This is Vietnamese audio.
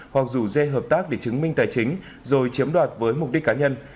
hoặc rủ dê hợp tác để chứng minh tài chính rồi chiếm đoạt với mục đích cá nhân